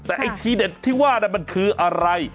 แต่ไอ้ทีเด็ดที่ว่ามันคืออะไร